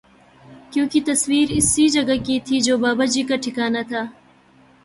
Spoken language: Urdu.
کیوں کہ تصویر اسی جگہ کی تھی جو باباجی کا ٹھکانہ تھا